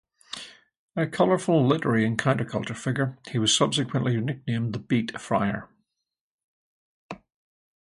A colorful literary and counterculture figure, he was subsequently nicknamed the Beat Friar.